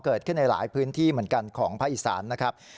เกิดขึ้นในหลายพื้นที่เหมือนกันของภาคอีสานนะครับ